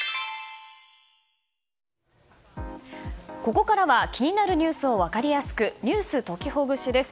ここからは気になるニュースを分かりやすくｎｅｗｓときほぐしです。